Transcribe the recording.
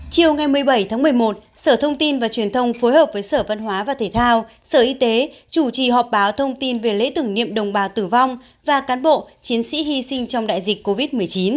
chiều ngày một mươi bảy tháng một mươi một sở thông tin và truyền thông phối hợp với sở văn hóa và thể thao sở y tế chủ trì họp báo thông tin về lễ tưởng niệm đồng bào tử vong và cán bộ chiến sĩ hy sinh trong đại dịch covid một mươi chín